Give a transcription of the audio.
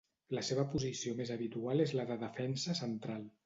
La seva posició més habitual és la de defensa central.